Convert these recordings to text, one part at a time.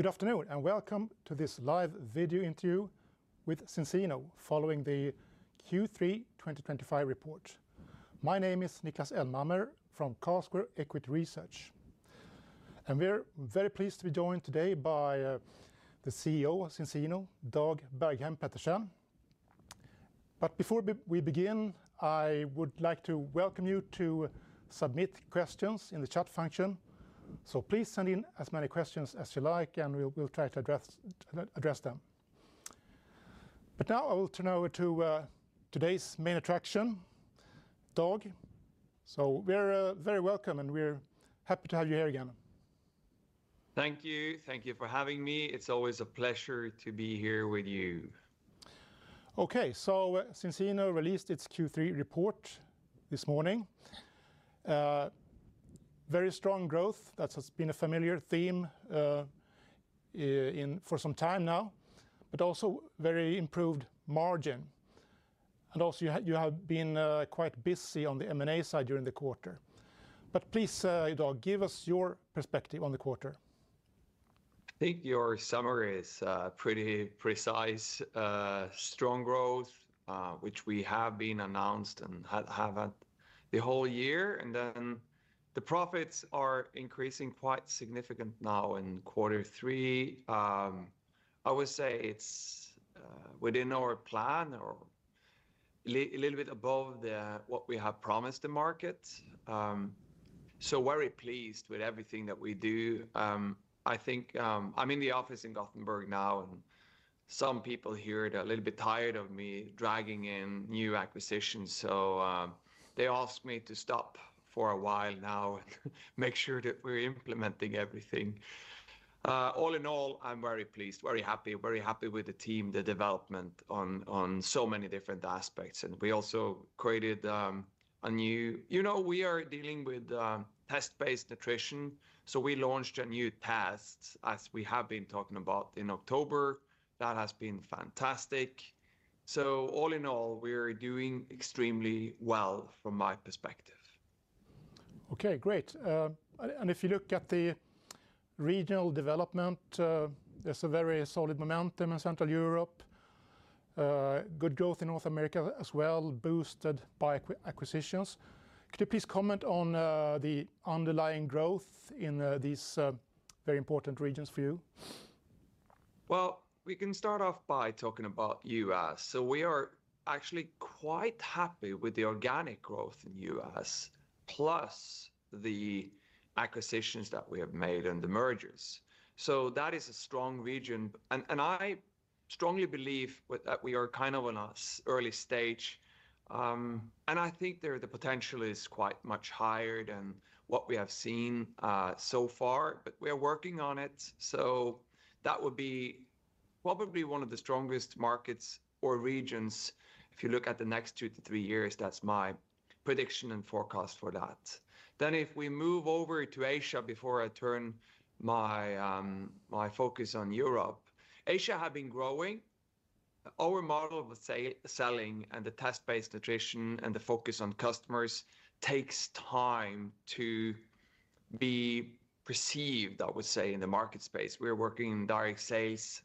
Good afternoon, and welcome to this live video interview with Zinzino, following the Q3 2025 report. My name is Niklas Elmhammer from Carlsquare Equity Research, and we're very pleased to be joined today by the CEO of Zinzino, Dag Bergheim Pettersen. But before we begin, I would like to welcome you to submit questions in the chat function. So please send in as many questions as you like, and we'll try to address them. But now I will turn over to today's main attraction, Dag. So we're very welcome, and we're happy to have you here again. Thank you. Thank you for having me. It's always a pleasure to be here with you. Okay, so Zinzino released its Q3 report this morning. Very strong growth, that has been a familiar theme, for some time now, but also very improved margin, and also you had, you have been, quite busy on the M&A side during the quarter, but please, Dag, give us your perspective on the quarter. I think your summary is pretty precise. Strong growth, which we have announced and has happened the whole year, and then the profits are increasing quite significant now in quarter three. I would say it's within our plan or a little bit above what we have promised the market. So very pleased with everything that we do. I think I'm in the office in Gothenburg now, and some people here are a little bit tired of me dragging in new acquisitions, so they asked me to stop for a while now and make sure that we're implementing everything. All in all, I'm very pleased, very happy, very happy with the team, the development on so many different aspects. And we also created a new... You know, we are dealing with test-based nutrition, so we launched a new test, as we have been talking about, in October. That has been fantastic. So all in all, we're doing extremely well from my perspective. Okay, great, and if you look at the regional development, there's a very solid momentum in Central Europe. Good growth in North America as well, boosted by acquisitions. Could you please comment on the underlying growth in these very important regions for you? We can start off by talking about U.S. We are actually quite happy with the organic growth in U.S., plus the acquisitions that we have made and the mergers. That is a strong region, and I strongly believe with that we are kind of in an early stage, and I think there the potential is quite much higher than what we have seen so far. But we are working on it, so that would be probably one of the strongest markets or regions if you look at the next two to three years. That's my prediction and forecast for that. If we move over to Asia, before I turn my focus on Europe, Asia have been growing. Our model with sales, selling and the Test-Based nutrition and the focus on customers takes time to be perceived, I would say, in the market space. We're working in direct sales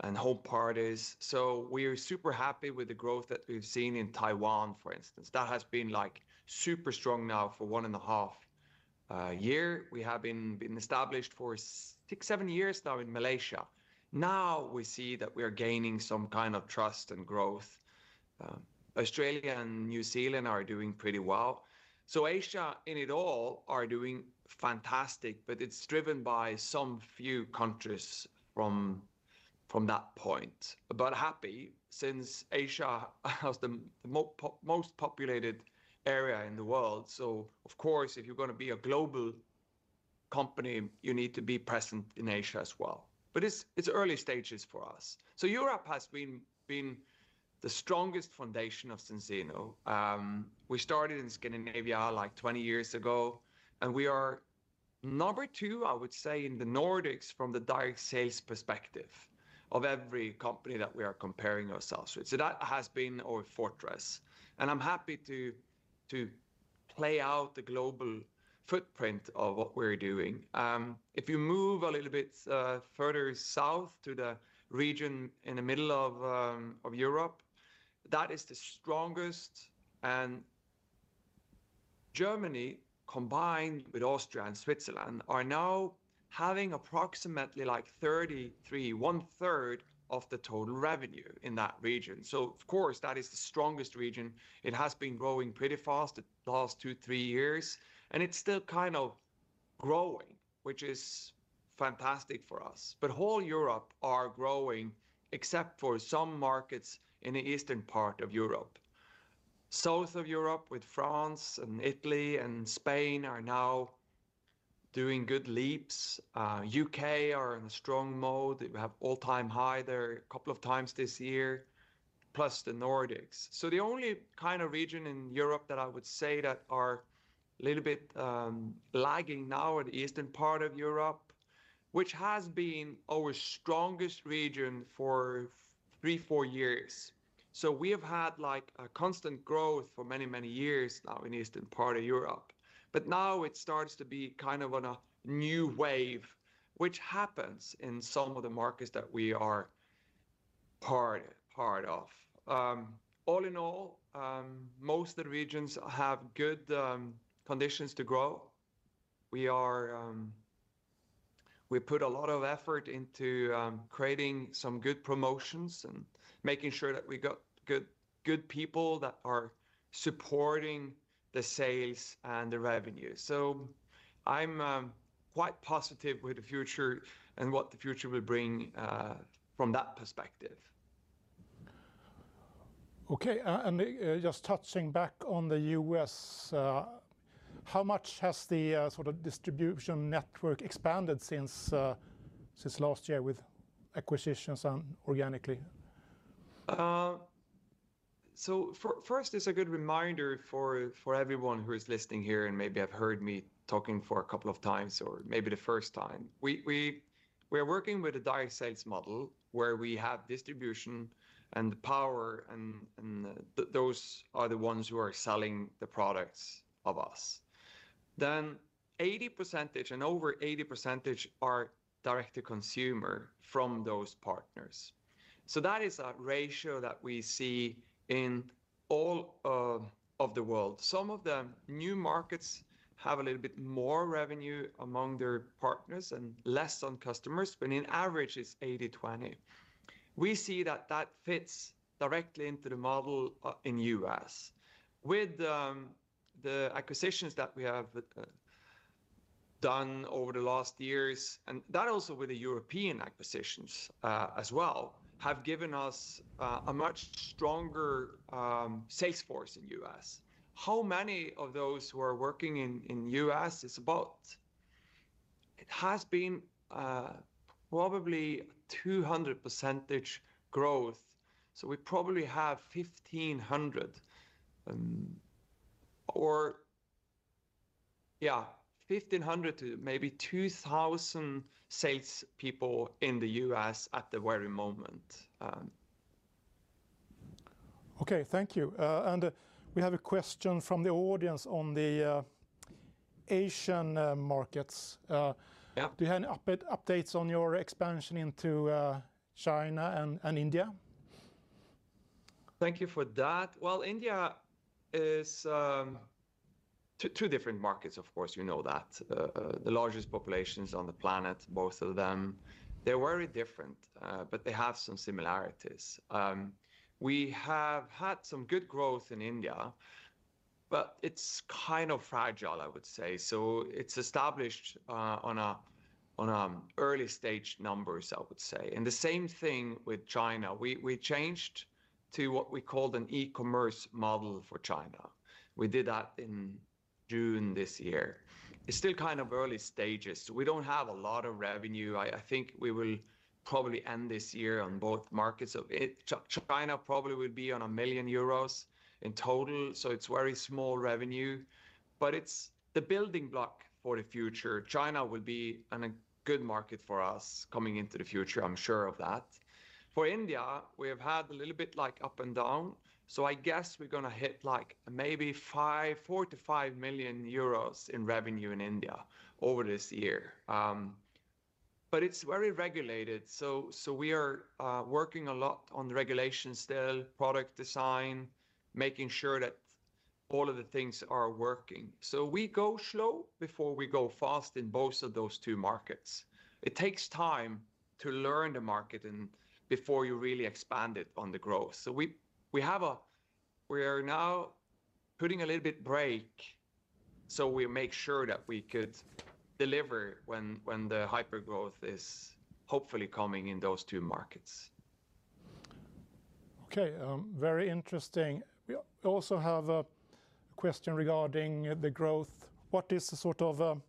and home parties, so we are super happy with the growth that we've seen in Taiwan, for instance. That has been, like, super strong now for one and a half year. We have been established for six, seven years now in Malaysia. Now, we see that we are gaining some kind of trust and growth. Australia and New Zealand are doing pretty well. Asia in total is doing fantastic, but it's driven by some few countries from that point. But happy, since Asia has the most populated area in the world, so of course, if you're gonna be a global company, you need to be present in Asia as well. It's early stages for us. So Europe has been the strongest foundation of Zinzino. We started in Scandinavia, like, 20 years ago, and we are number two, I would say, in the Nordics from the direct sales perspective of every company that we are comparing ourselves with. So that has been our fortress, and I'm happy to play out the global footprint of what we're doing. If you move a little bit further south to the region in the middle of Europe, that is the strongest, and Germany, combined with Austria and Switzerland, are now having approximately like 33, one third of the total revenue in that region. So of course, that is the strongest region. It has been growing pretty fast the last two, three years, and it's still kind of growing, which is fantastic for us. But whole Europe are growing, except for some markets in the eastern part of Europe. South of Europe, with France and Italy and Spain, are now doing good leaps. U.K. are in a strong mode. They have all-time high there a couple of times this year, plus the Nordics. So the only kind of region in Europe that I would say that are a little bit lagging now are the eastern part of Europe, which has been our strongest region for three, four years. So we have had, like, a constant growth for many, many years now in the eastern part of Europe. But now it starts to be kind of on a new wave, which happens in some of the markets that we are part of. All in all, most of the regions have good conditions to grow. We are, we put a lot of effort into creating some good promotions and making sure that we got good people that are supporting the sales and the revenue. So I'm quite positive with the future and what the future will bring, from that perspective. Okay, and just touching back on the U.S., how much has the sort of distribution network expanded since last year with acquisitions and organically? First, it's a good reminder for everyone who is listening here and maybe have heard me talking a couple of times or maybe the first time. We are working with a direct sales model where we have distributors and the partners, and those are the ones who are selling the products for us. Then 80%, and over 80% are direct to consumer from those partners. So that is a ratio that we see in all of the world. Some of the new markets have a little bit more revenue among their partners and less on customers, but on average it's 80-20. We see that fits directly into the model in U.S. With the acquisitions that we have done over the last years, and that also with the European acquisitions as well, have given us a much stronger sales force in the U.S. How many of those who are working in the U.S. is about. It has been probably 200% growth, so we probably have 1,500 or yeah, 1,500 to maybe 2,000 sales people in the U.S. at the very moment. Okay, thank you. And we have a question from the audience on the Asian markets. Yeah. Do you have any updates on your expansion into China and India? Thank you for that. India is two different markets, of course, you know that. The largest populations on the planet, both of them. They're very different, but they have some similarities. We have had some good growth in India, but it's kind of fragile, I would say. It's established on an early stage numbers, I would say. The same thing with China. We changed to what we called an e-commerce model for China. We did that in June this year. It's still kind of early stages. We don't have a lot of revenue. I think we will probably end this year on both markets. China probably would be on 1 million euros in total, so it's very small revenue, but it's the building block for the future. China will be a good market for us coming into the future. I'm sure of that. For India, we have had a little bit, like, up and down, so I guess we're gonna hit, like, maybe 4 million-5 million euros in revenue in India over this year. But it's very regulated, so we are working a lot on the regulations still, product design, making sure that all of the things are working. So we go slow before we go fast in both of those two markets. It takes time to learn the market and before you really expand it on the growth. So we have a. We are now putting a little bit brake so we make sure that we could deliver when the hypergrowth is hopefully coming in those two markets. Okay, very interesting. We also have a question regarding the growth. What is the sort of,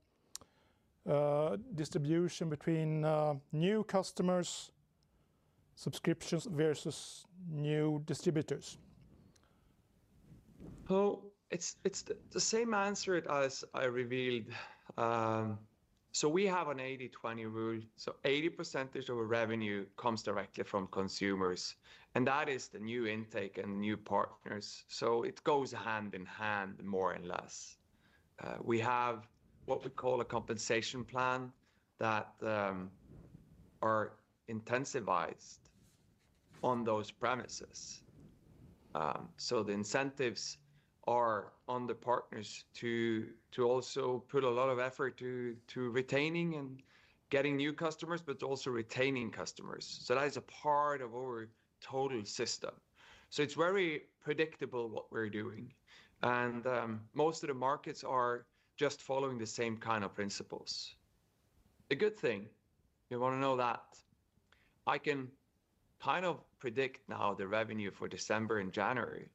distribution between, new customers, subscriptions versus new distributors? It's the same answer as I revealed. So we have an eighty-twenty rule, so 80% of our revenue comes directly from consumers, and that is the new intake and new partners, so it goes hand in hand, more and less. We have what we call a compensation plan that are intensified on those premises. So the incentives are on the partners to also put a lot of effort to retaining and getting new customers, but also retaining customers. So that is a part of our total system. So it's very predictable what we're doing, and most of the markets are just following the same kind of principles. A good thing, you want to know that, I can kind of predict now the revenue for December and January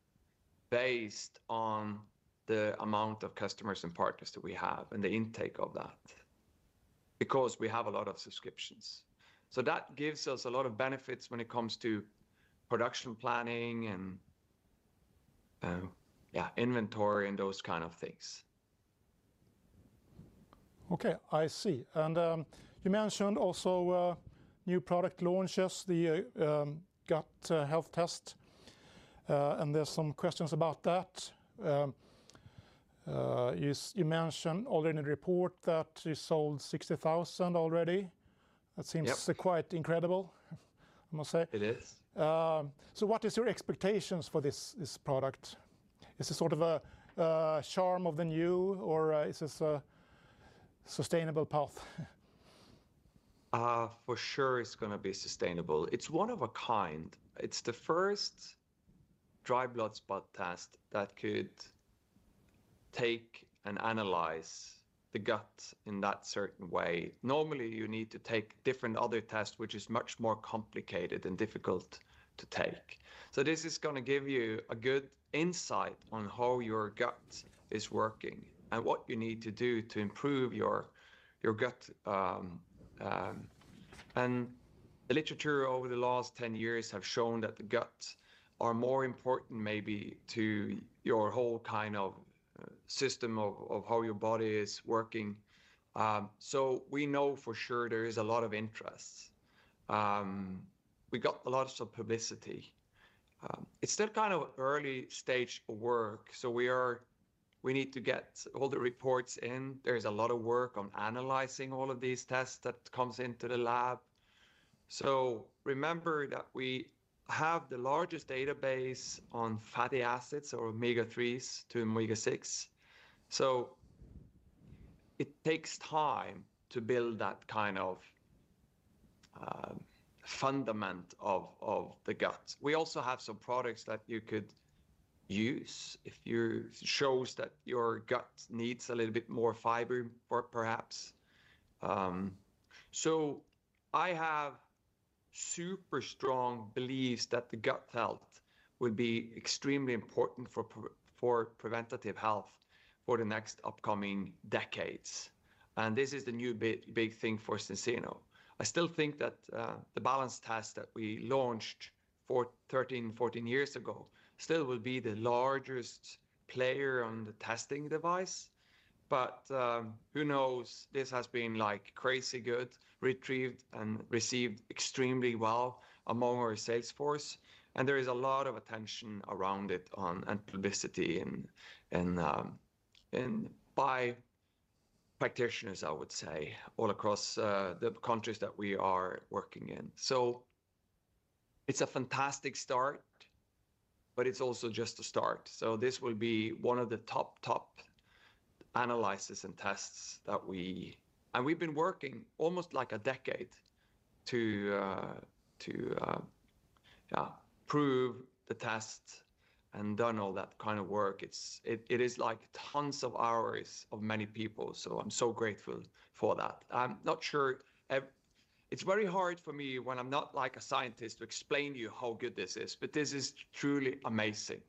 based on the amount of customers and partners that we have and the intake of that, because we have a lot of subscriptions. So that gives us a lot of benefits when it comes to production planning and, inventory and those kind of things.... Okay, I see. And you mentioned also new product launches, the gut health test, and there's some questions about that. You mentioned already in the report that you sold 60,000 already. Yep. That seems quite incredible, I must say. It is. What is your expectations for this product? Is it sort of a charm of the new, or is this a sustainable path? For sure it's gonna be sustainable. It's one of a kind. It's the first dry blood spot test that could take and analyze the gut in that certain way. Normally, you need to take different other tests, which is much more complicated and difficult to take. So this is gonna give you a good insight on how your gut is working and what you need to do to improve your gut. And the literature over the last 10 years have shown that the guts are more important maybe to your whole kind of system of how your body is working. So we know for sure there is a lot of interest. We got a lot of publicity. It's still kind of early stage work, so we need to get all the reports in. There is a lot of work on analyzing all of these tests that comes into the lab. So remember that we have the largest database on fatty acids or omega-3s to omega-6, so it takes time to build that kind of foundation of the gut. We also have some products that you could use if you shows that your gut needs a little bit more fiber perhaps. So I have super strong beliefs that the gut health will be extremely important for preventative health for the next upcoming decades, and this is the new big, big thing for Zinzino. I still think that the BalanceTest that we launched four, thirteen, fourteen years ago still will be the largest player on the testing device, but who knows? This has been like crazy good. It's received extremely well among our sales force, and there is a lot of attention around it and publicity and by practitioners, I would say, all across the countries that we are working in. It's a fantastic start, but it's also just a start, so this will be one of the top, top analysis and tests that we... and we've been working almost like a decade to prove the test and done all that kind of work. It is like tons of hours of many people, so I'm so grateful for that. I'm not sure it's very hard for me, when I'm not like a scientist, to explain to you how good this is, but this is truly amazing.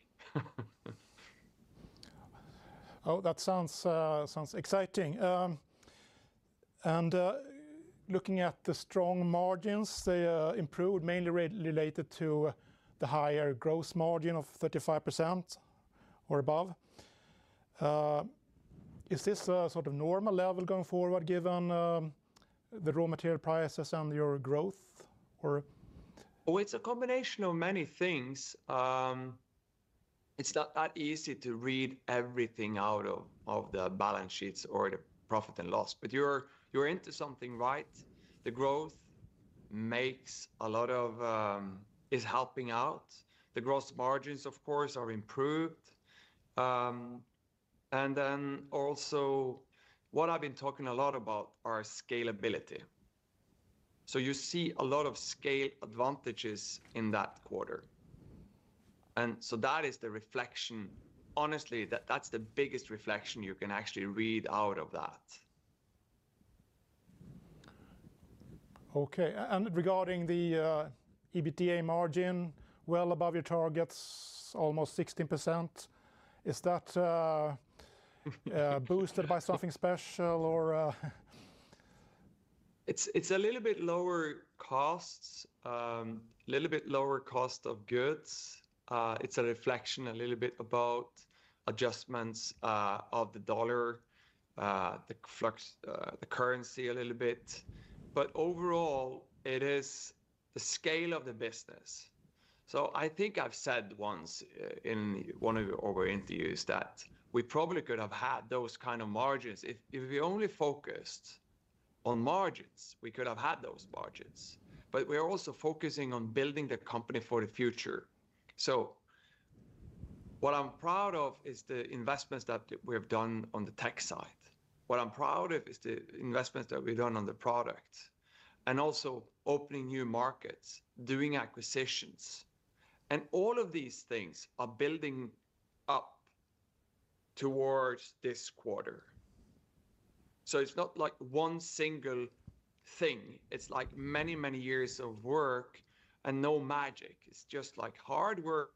Oh, that sounds exciting. Looking at the strong margins, they improved, mainly related to the higher gross margin of 35% or above. Is this a sort of normal level going forward, given the raw material prices and your growth, or? Oh, it's a combination of many things. It's not that easy to read everything out of the balance sheets or the profit and loss, but you're into something right. The growth makes a lot of is helping out. The gross margins, of course, are improved, and then also, what I've been talking a lot about are scalability. So you see a lot of scale advantages in that quarter, and so that is the reflection. Honestly, that's the biggest reflection you can actually read out of that. Okay, and regarding the EBITDA margin, well above your targets, almost 16%, is that boosted by something special or? It's a little bit lower costs, little bit lower cost of goods. It's a reflection a little bit about adjustments of the dollar, the fluctuations, the currency a little bit, but overall, it is the scale of the business. So I think I've said once in one of our interviews, that we probably could have had those kind of margins. If we only focused on margins, we could have had those margins, but we are also focusing on building the company for the future. So what I'm proud of is the investments that we have done on the tech side. What I'm proud of is the investments that we've done on the product, and also opening new markets, doing acquisitions, and all of these things are building up towards this quarter. So it's not like one single thing. It's like many, many years of work and no magic. It's just, like, hard work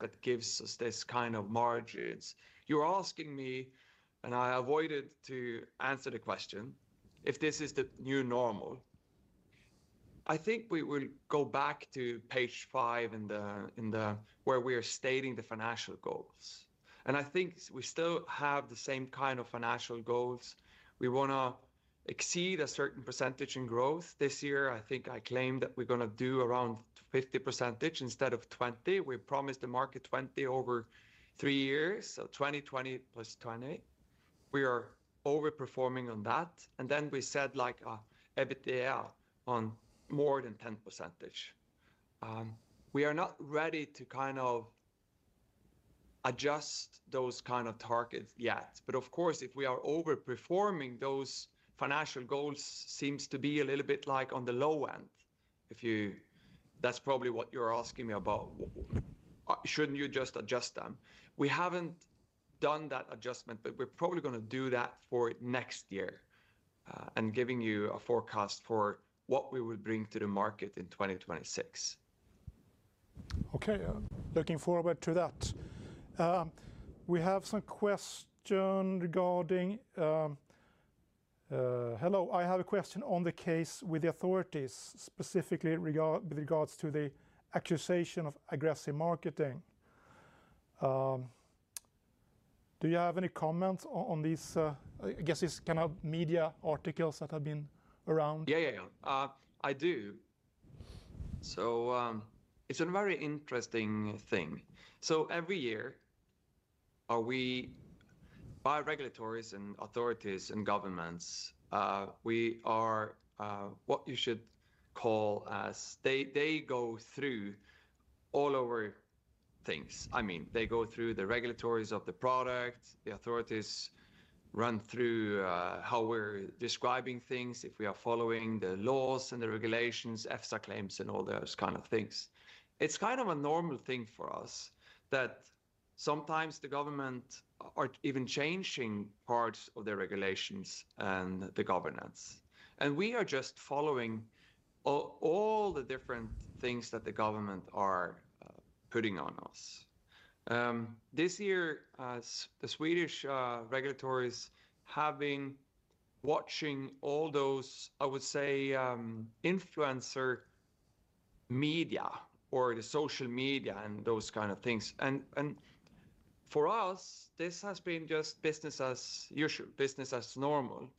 that gives us this kind of margins. You're asking me, and I avoided to answer the question, if this is the new normal. I think we will go back to page five where we are stating the financial goals. I think we still have the same kind of financial goals. We wanna exceed a certain percentage in growth this year. I think I claimed that we're gonna do around 50% instead of 20%. We promised the market 20% over three years, so 20% 20% plus 20%. We are overperforming on that, and then we said, like, EBITDA on more than 10%. We are not ready to kind of adjust those kind of targets yet. But of course, if we are overperforming, those financial goals seems to be a little bit like on the low end. If that's probably what you're asking me about. Shouldn't you just adjust them? We haven't done that adjustment, but we're probably gonna do that for next year, and giving you a forecast for what we will bring to the market in 2026. Okay, looking forward to that. We have some question regarding... "Hello, I have a question on the case with the authorities, specifically with regards to the accusation of aggressive marketing. Do you have any comments on these..." I guess it's kind of media articles that have been around. Yeah, yeah. I do. It's a very interesting thing. So every year, by regulators and authorities and governments, what you should call us, they go through all our things. I mean, they go through the regulations of the product, the authorities run through how we're describing things, if we are following the laws and the regulations, EFSA claims, and all those kind of things. It's kind of a normal thing for us, that sometimes the government are even changing parts of the regulations and the governance, and we are just following all the different things that the government are putting on us. This year, the Swedish regulators have been watching all those, I would say, influencer media or the social media and those kind of things. For us, this has been just business as usual, business as normal.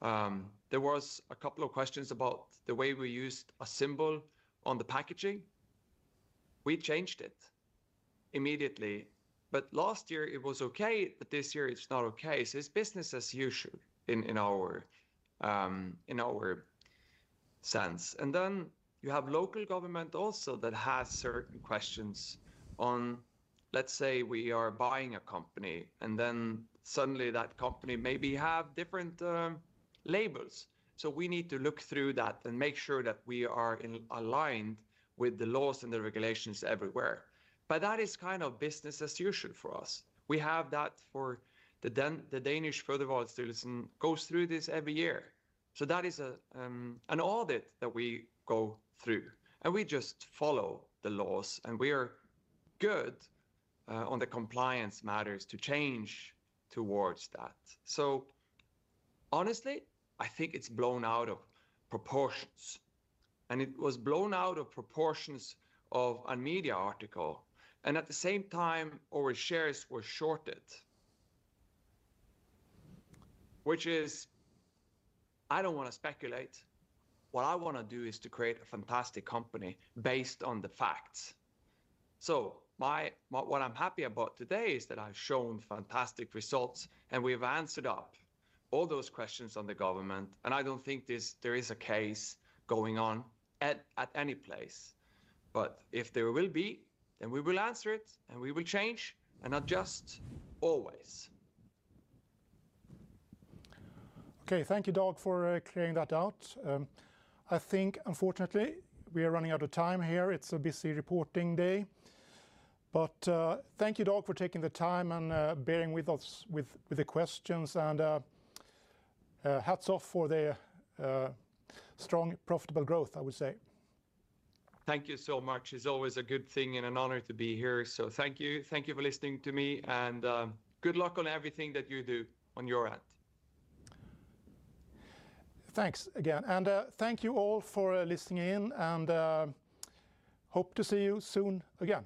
There was a couple of questions about the way we used a symbol on the packaging. We changed it immediately, but last year it was okay, but this year it's not okay. So it's business as usual in our sense. Then you have local government also that has certain questions on, let's say, we are buying a company, and then suddenly that company maybe have different labels. So we need to look through that and make sure that we are aligned with the laws and the regulations everywhere. But that is kind of business as usual for us. We have that for the Danish Food Authority that goes through this every year. That is an audit that we go through, and we just follow the laws, and we are good on the compliance matters to change towards that. So honestly, I think it's blown out of proportions, and it was blown out of proportions of a media article, and at the same time, our shares were shorted. Which is... I don't wanna speculate. What I wanna do is to create a fantastic company based on the facts. What I'm happy about today is that I've shown fantastic results, and we've answered up all those questions on the government, and I don't think this, there is a case going on at any place. But if there will be, then we will answer it, and we will change and adjust always. Okay, thank you, Dag, for clearing that out. I think unfortunately, we are running out of time here. It's a busy reporting day. But thank you, Dag, for taking the time and bearing with us with the questions and hats off for the strong, profitable growth, I would say. Thank you so much. It's always a good thing and an honor to be here, so thank you. Thank you for listening to me, and good luck on everything that you do on your end. Thanks again, and thank you all for listening in, and hope to see you soon again.